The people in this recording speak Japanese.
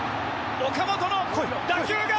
岡本の打球が。